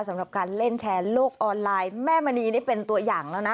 สำหรับการเล่นแชร์โลกออนไลน์แม่มณีนี่เป็นตัวอย่างแล้วนะ